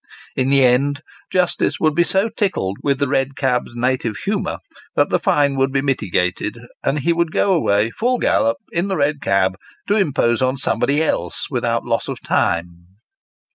In the end, justice would be so tickled with the red cab driver's native humour, that the fine would be mitigated, and he would go away full gallop, in the red cab, to impose on somebody else without loss of time.